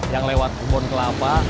yang lewat kebun kelapa